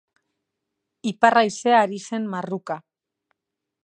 Ipar haizea ari zen marruka.